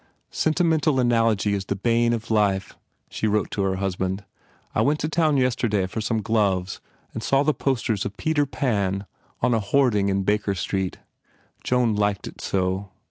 Sentimental analogy is the bane of life," she wrote to her husband, "I went to town yesterday for some gloves and saw the post ers of Peter Pan on a hoarding in Baker Street. Joan liked it so.